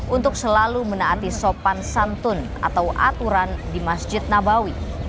untuk selalu menaati sopan santun atau aturan di masjid nabawi